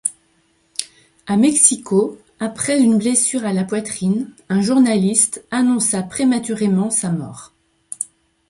À Mexico, après une blessure à la poitrine, un journaliste annonça prématurément sa mort.